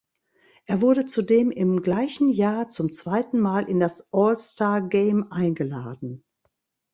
Er wurde zudem im gleichen Jahr zum zweiten Mal in das All-Star Game eingeladen.